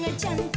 oh yang satu